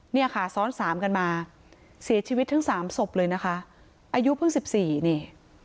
เนี่ยค่ะซ้อนสามกันมาเสียชีวิตทั้งสามศพเลยนะคะอายุเพิ่งสิบสี่นี่